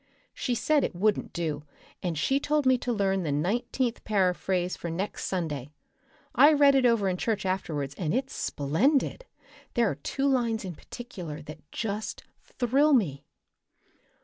She said it wouldn't do and she told me to learn the nineteenth paraphrase for next Sunday. I read it over in church afterwards and it's splendid. There are two lines in particular that just thrill me.